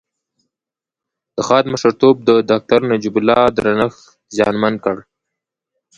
د خاد مشرتوب د داکتر نجيب الله درنښت زیانمن کړ